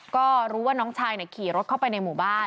ก็รู้ว่าน้องชายขี่รถเข้าไปในหมู่บ้าน